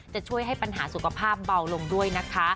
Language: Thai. จะช่วยให้ปัญหาสุขภาพเบาลงด้วยนะคะ